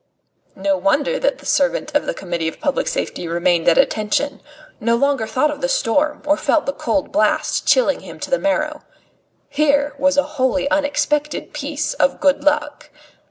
No wonder that the servant of the Committee of Public Safety remained at attention, no longer thought of the storm or felt the cold blast chilling him to the marrow. Here was a wholly unexpected piece of good luck.